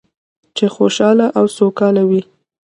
چې خوشحاله او سوکاله وي.